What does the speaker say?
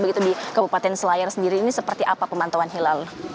begitu di kabupaten selayar sendiri ini seperti apa pemantauan hilal